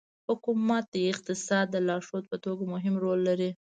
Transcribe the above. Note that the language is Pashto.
حکومت د اقتصاد د لارښود په توګه مهم رول لري.